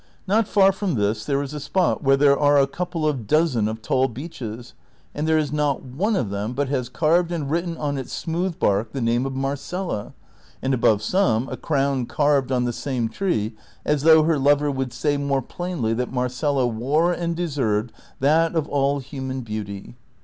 Not far from this there is a spot where there are a couple of dozen of tall beeches, and there is not one of them but has carved and written on its smooth bark the name of Marcela, and above some a crown carved on the same tree as though her lover would say more plainly that Marcela wore and deserved that of all human beauty.